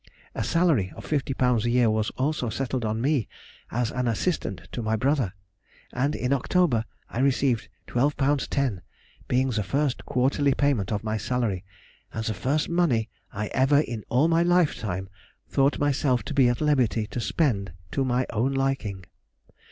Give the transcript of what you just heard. A salary of fifty pounds a year was also settled on me as an assistant to my brother, and in October I received twelve pounds ten, being the first quarterly payment of my salary, and the first money I ever in all my lifetime thought myself to be at liberty to spend to my own liking.